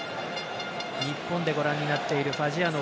日本でご覧になってるファジアーノ